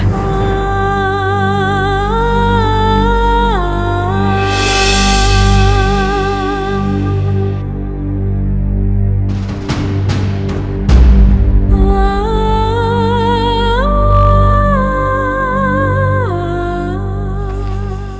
dimana ibu undah